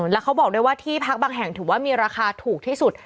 แล้วเขาบอกด้วยว่าที่พักบางแห่งถือว่ามีราคาถูกที่สุด